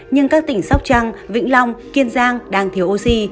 nhưng các tỉnh sóc trăng vĩnh long kiên giang đang thiếu oxy